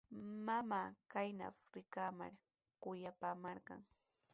Mamaa kaynaw rikamar kuyapaamarqan.